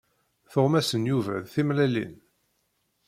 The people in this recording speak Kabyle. Tuɣmas n Yuba d timellalin.